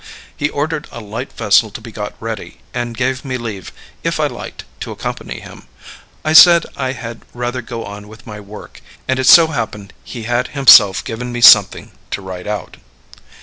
He ordered a light vessel to be got ready, and gave me leave, if I liked, to accompany him. I said I had rather go on with my work, and it so happened he had himself given me something to write out.